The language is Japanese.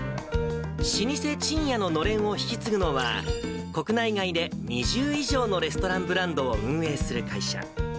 老舗、ちんやののれんを引き継ぐのは、国内外で２０以上のレストランブランドを運営する会社。